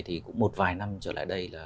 thì cũng một vài năm trở lại đây là